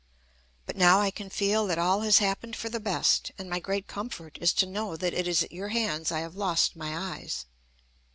But now I can feel that all has happened for the best; and my great comfort is to know that it is at your hands I have lost my eyes.